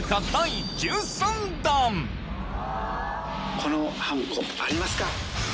このはんこありますか？